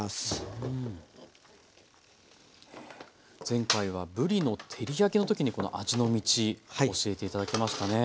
前回はぶりの照り焼きの時にこの「味の道」教えて頂きましたね。